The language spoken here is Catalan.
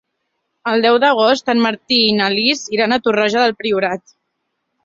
El deu d'agost en Martí i na Lis iran a Torroja del Priorat.